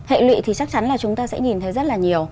hệ lụy thì chắc chắn là chúng ta sẽ nhìn thấy rất là nhiều